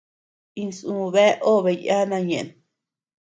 Insú bea obe yana ñeʼen.